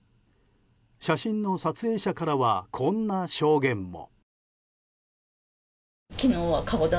写真の撮影者からはこんな証言も。